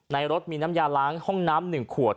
รถมีน้ำยาล้างห้องน้ำ๑ขวด